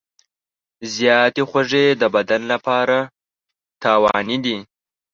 زیاتې خوږې د بدن لپاره مضرې دي.